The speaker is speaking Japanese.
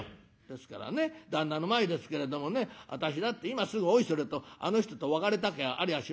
「ですからね旦那の前ですけれどもね私だって今すぐおいそれとあの人と別れたきゃありゃしませんよ。